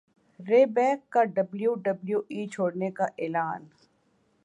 رے بیک کا ڈبلیو ڈبلیو ای چھوڑنے کا اعلان